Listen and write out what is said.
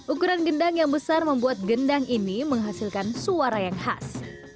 ukuran gendang yang besar membuat gendang ini menghasilkan suara yang khas